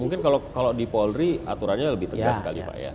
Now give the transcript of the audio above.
mungkin kalau di polri aturannya lebih tegas kali pak ya